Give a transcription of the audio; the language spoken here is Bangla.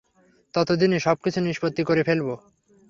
ততদিনে সবকিছু নিষ্পত্তি করে ফেলবো।